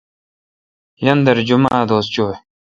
یاندر جمعہ دوس چویں۔